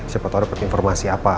siapa tau dapet informasi apa